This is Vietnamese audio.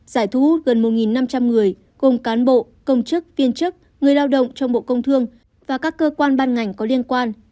giải thu hút gần một năm trăm linh người gồm cán bộ công chức viên chức người lao động trong bộ công thương và các cơ quan ban ngành có liên quan